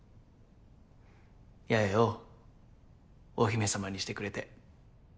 八重をお姫様にしてくれて。